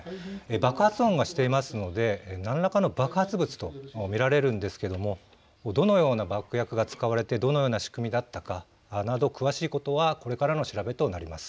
爆発音がしていますので何らかの爆発物と見られるんですけれどもどのような爆薬が使われてどのような仕組みだったかなど詳しいことはこれからの調べとなります。